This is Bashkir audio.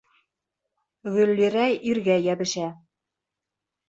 Гөллирә иргә йәбешә.